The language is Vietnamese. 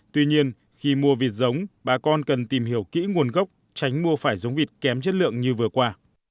tuy nhiên khi mua vịt giống bà con cần tìm hiểu kỹ nguồn gốc tránh mua phải giống vịt kém chất lượng như vừa qua